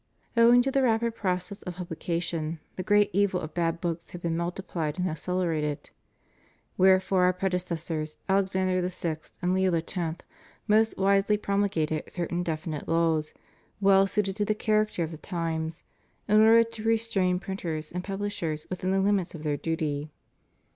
Owing to the rapid process of publica tion, the great evil of bad books had been multiplied and accelerated. Wherefore Our predecessors, Alexander VI. and Leo X., most wisely promulgated certain definite laws, well suited to the character of the times, in order to restrain printers and pubUshers within the limits of their duty.